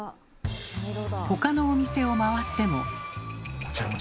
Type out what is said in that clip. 他のお店を回っても。